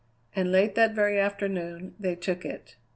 And late that very afternoon they took it.